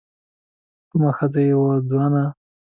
کومه ښځه يې وه ځوانه